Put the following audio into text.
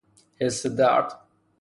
حس درد